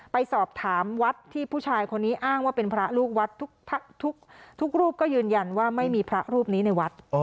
ไปสอบถามวัดที่ผู้ชายคนนี้อ้างว่าเป็นพระลูกวัดทุกรูปก็ยืนยันว่าไม่มีพระรูปนี้ในวัด